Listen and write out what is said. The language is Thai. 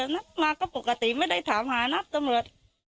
นัดมาก็ปกติไม่ได้ถามหานัดตำรวจ